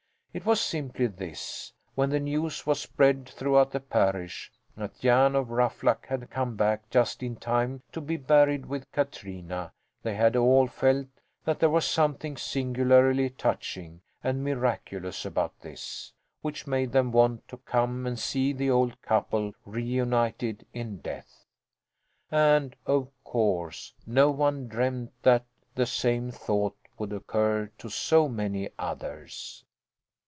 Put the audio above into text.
It was simply this: when the news was spread throughout the parish that Jan of Ruffluck had come back just in time to be buried with Katrina they had all felt that there was something singularly touching and miraculous about this, which made them want to come and see the old couple reunited in death. And of course no one dreamed that the same thought would occur to so many others.